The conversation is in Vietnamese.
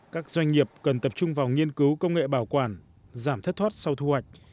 các doanh nghiệp cần tập trung vào nghiên cứu công nghệ bảo quản giảm thất thoát sau thu hoạch